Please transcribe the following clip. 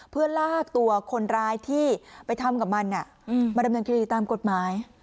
เพื่อลากตัวคนร้ายที่ไปทำกับมันมาดำเนินคดีตามกฎหมาย